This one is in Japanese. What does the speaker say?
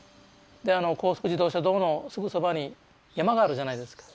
であの高速自動車道のすぐそばに山があるじゃないですか。